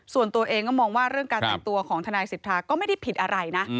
ส่วนตัวเองก็มองว่าเรื่องการแต่งตัวของทนายสิทธาก็ไม่ได้ผิดอะไรนะ